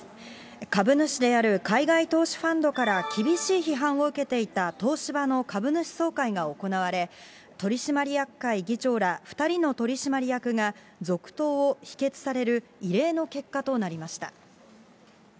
株主である海外投資ファンドから厳しい批判を受けていた、東芝の株主総会が行われ、取締役会議長ら２人の取締役が続投を否決される異例の結果となりました。